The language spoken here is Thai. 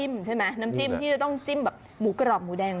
ใช่ไหมน้ำจิ้มที่จะต้องจิ้มแบบหมูกรอบหมูแดง